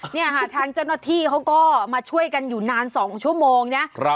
เนี่ยค่ะทางเจ้าหน้าที่เขาก็มาช่วยกันอยู่นาน๒ชั่วโมงนะ